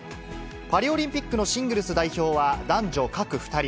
パリオリンピックのシングルス代表は、男女各２人。